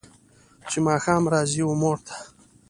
چې ماښام راځي و مور ته